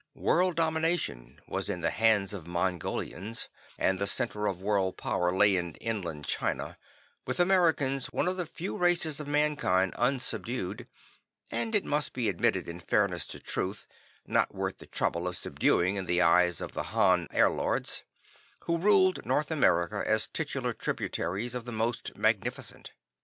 World domination was in the hands of Mongolians and the center of world power lay in inland China, with Americans one of the few races of mankind unsubdued and it must be admitted in fairness to the truth, not worth the trouble of subduing in the eyes of the Han Airlords who ruled North America as titular tributaries of the Most Magnificent.